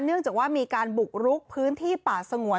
เนื่องจากว่ามีการบุกรุกพื้นที่ป่าสงวน